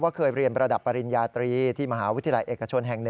เคยเรียนระดับปริญญาตรีที่มหาวิทยาลัยเอกชนแห่ง๑